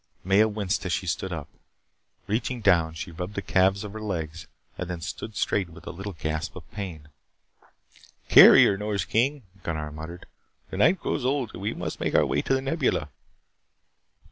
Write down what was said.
Maya winced as she stood up. Reaching down, she rubbed the calves of her legs and then stood straight with a little gasp of pain. "Carry her, Nors King," Gunnar muttered. "The night grows old and we must make our way to the Nebula."